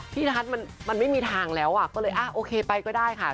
ทัศน์มันไม่มีทางแล้วก็เลยโอเคไปก็ได้ค่ะ